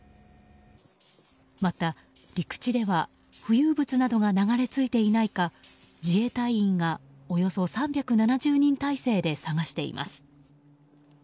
また、陸地では浮遊物などが流れ着いていないか自衛隊員がおよそ３７０人態勢で探しています。